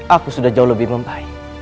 aku sudah jauh lebih membaik